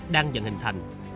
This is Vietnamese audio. đang dần hình thành